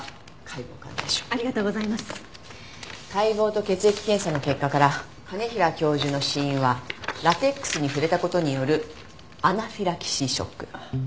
解剖と血液検査の結果から兼平教授の死因はラテックスに触れた事によるアナフィラキシーショック。